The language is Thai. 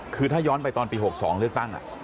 คือถ้าย้อนไปตอนปี๖๒เลือกตั้ง